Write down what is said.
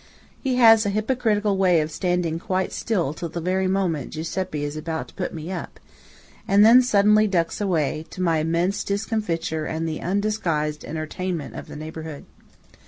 He has a hypocritical way of standing quite still till the very moment Giuseppe is about to put me up, and then suddenly ducks away, to my immense discomfiture and the undisguised entertainment of the neighbourhood.